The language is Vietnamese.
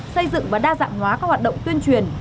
xây dựng và đa dạng hóa các hoạt động tuyên truyền